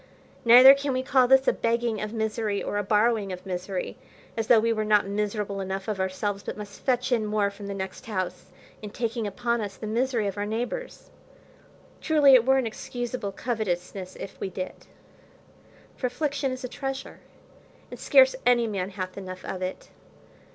Neither can we call this a begging of misery, or a borrowing of misery, as though we were not miserable enough of ourselves, but must fetch in more from the next house, in taking upon us the misery of our neighbours. Truly it were an excusable covetousness if we did, for affliction is a treasure, and scarce any man hath enough of it.